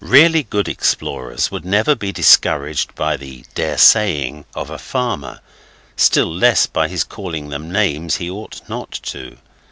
Really great explorers would never be discouraged by the daresaying of a farmer, still less by his calling them names he ought not to.